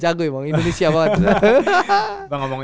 jago emang indonesia banget